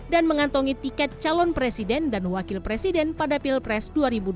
dan mengantongi tiket calon presiden dan wakil presiden pada pilpres dua ribu dua puluh empat